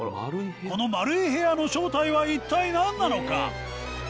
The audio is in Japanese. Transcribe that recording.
この丸い部屋の正体は一体何なのか？